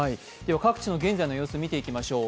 各地の現在の様子、見ていきましょう。